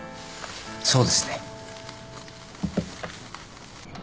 そうですね。